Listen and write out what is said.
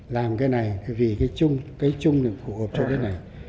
làm cái này vì cái chung cái chung phù hợp trong cái này